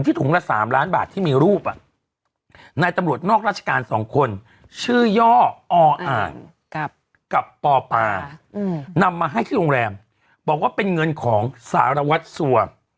อออกับปปนำมาให้ที่โรงแรมบอกว่าเป็นเงินของสารวัตซัวร์